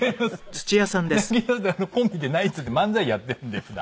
コンビでナイツっていう漫才やってるんで普段。